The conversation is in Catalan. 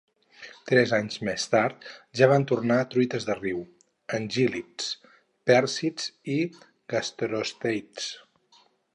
Tres anys més tard ja van tornar truites de riu, anguíl·lids, pèrcids i gasterosteids.